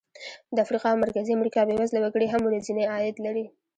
د افریقا او مرکزي امریکا بېوزله وګړي هم ورځنی عاید لري.